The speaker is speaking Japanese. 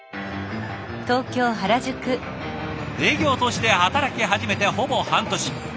営業として働き始めてほぼ半年。